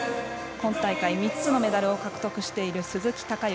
今大会３つのメダルを獲得している鈴木孝幸。